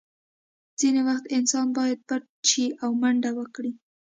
ځینې وخت انسان باید پټ شي او منډه وکړي